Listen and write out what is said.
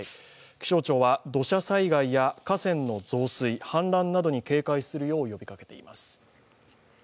気象庁は土砂災害や、河川の増水氾濫などに警戒するよう呼びかけています。